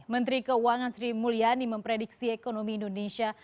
menteri keuangan sri mulyani memprediksi ekonomi indonesia